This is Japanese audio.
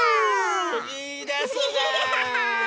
いいですね！